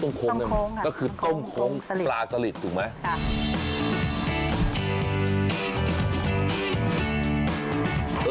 ต้องโค้งนะคือต้มโค้งปลาสลิดถูกไหมค่ะโต้งโค้งสลิด